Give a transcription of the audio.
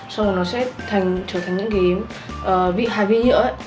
xong rồi nó sẽ trở thành những cái vị hài vi nhựa ấy